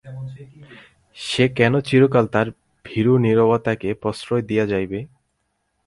সে কেন চিরকাল তার ভীরু নীরবতাকে প্রশ্রয় দিয়া যাইবে?